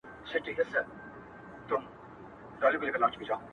o ځمه زه ليكمه يو نوم نن د ښــكــلا پـــر پــــاڼــــــه؛